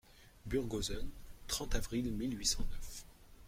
Burghausen, trente avril mille huit cent neuf.